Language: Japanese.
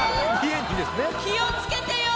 気を付けてよ。